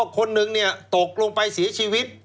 คนหนึ่งตกลงไปเสียชีวิต